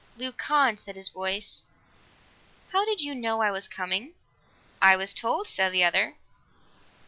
"Leucon," said his voice, "how did you know I was coming?" "I was told," said the other.